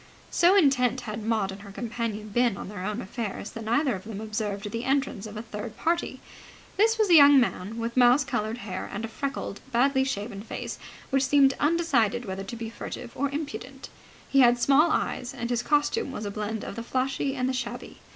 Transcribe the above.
So intent had Maud and her companion been on their own affairs that neither of them observed the entrance of a third party. This was a young man with mouse coloured hair and a freckled, badly shaven face which seemed undecided whether to be furtive or impudent. He had small eyes, and his costume was a blend of the flashy and the shabby.